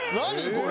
これ。